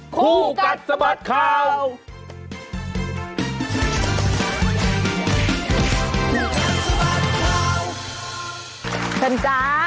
ครูกัดสมัครข่าว